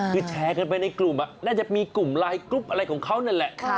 คือแชร์กันไปในกลุ่มน่าจะมีกลุ่มไลน์กรุ๊ปอะไรของเขานั่นแหละ